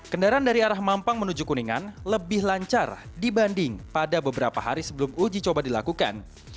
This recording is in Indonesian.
kendaraan dari arah mampang menuju kuningan lebih lancar dibanding pada beberapa hari sebelum uji coba dilakukan